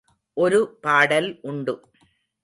ஒரு பாடல் உண்டு.